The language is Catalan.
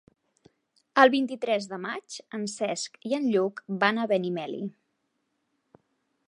El vint-i-tres de maig en Cesc i en Lluc van a Benimeli.